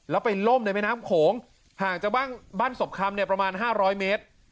แล้วไปล่มในแม่น้ำโขงห่างจากบ้านศพคำเนี่ยประมาณ๕๐๐เมตร